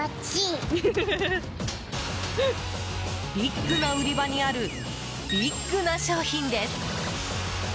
ビッグな売り場にあるビッグな商品です。